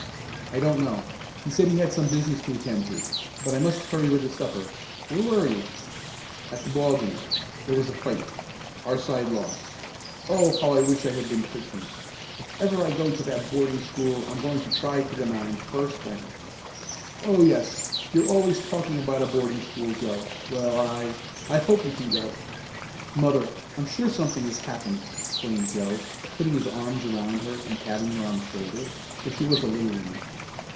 "I don't know. He said he had some business to attend to. But I must hurry with the supper. Where were you?" "At the ball game. There was a fight. Our side lost. Oh, how I wish I had been pitching! If ever I go to that boarding school I'm going to try for the nine, first thing!" "Oh yes, you're always talking about a boarding school, Joe. Well, I I hope you can go." "Mother, I'm sure something has happened!" exclaimed Joe, putting his arms around her and patting her on the shoulder, for she was a little woman.